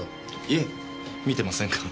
いえ見てませんが。